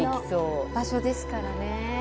中心の場所ですからね。